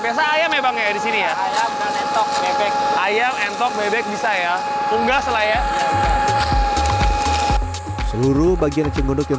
biasa ayam memang disini ya ayam entok bebek bisa ya unggah selai ya seluruh bagian eceng gondok yang